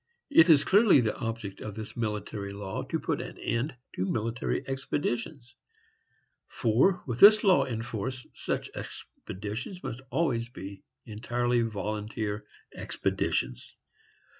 It is clearly the object of this military law to put an end to military expeditions; for, with this law in force, such expeditions must always be entirely volunteer expeditions.